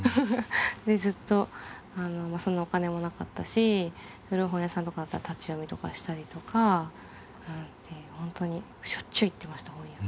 でずっとそんなお金もなかったし古本屋さんとかだったら立ち読みとかしたりとか本当にしょっちゅう行ってました本屋に。